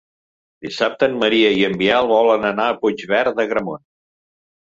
Dissabte en Maria i en Biel volen anar a Puigverd d'Agramunt.